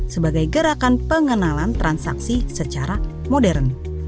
sebagai gerakan pengenalan transaksi secara modern